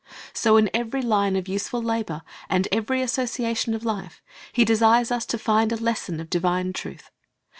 So in every line of useful labor and every association of life, He desires us to find a lesson of divine truth.